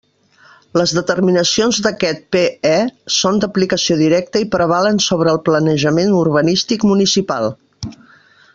Les determinacions d'aquest PE són d'aplicació directa i prevalen sobre el planejament urbanístic municipal.